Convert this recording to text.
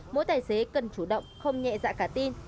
mỗi tài xế cần chủ động không nhẹ dạ cả tin